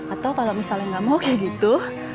atau kalau misalnya nggak mau kayak gitu